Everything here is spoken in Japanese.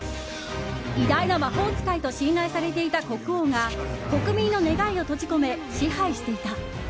偉大な魔法使いと信頼されていた国王が国民の願いを閉じ込め支配していた。